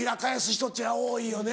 人っちゅうのは多いよね。